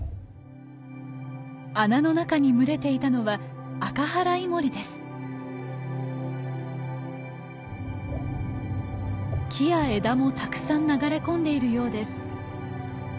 穴の中に群れていたのは木や枝もたくさん流れ込んでいるようです。